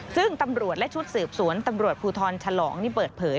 ซึ่งตำรวจและชุดสืบสวนตำรวจภูทรฉลองนี่เปิดเผย